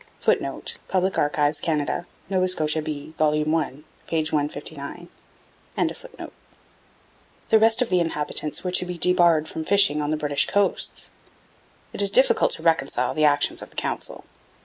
[Footnote: Public Archives, Canada. Nova Scotia B, vol. i, p. 159.] The rest of the inhabitants were to be debarred from fishing on the British coasts. It is difficult to reconcile the actions of the Council.